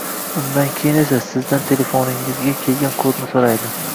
undan keyin esa, sizdan telefoningizga kelgan kodni so‘raydi.